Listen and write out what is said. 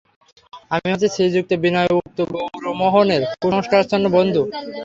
আমি হচ্ছি শ্রীযুক্ত বিনয়– উক্ত গৌরমোহনের কুসংস্কারাচ্ছন্ন বন্ধু।